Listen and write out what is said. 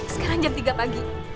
sekarang jam tiga pagi